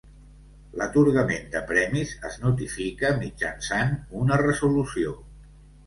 L'atorgament de premis es notifica mitjançant una resolució.